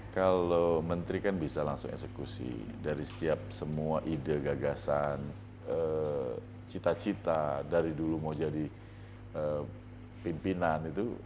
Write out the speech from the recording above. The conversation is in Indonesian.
kalau menteri kan bisa langsung eksekusi dari setiap semua ide gagasan cita cita dari dulu mau jadi pimpinan itu